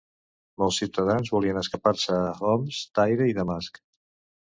Molts ciutadans volien escapar-se a Homs, Tyre i Damasc.